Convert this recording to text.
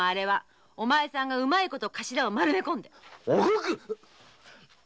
おふく！